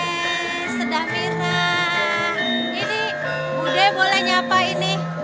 ete sedang berah ini muda bolehnya apa ini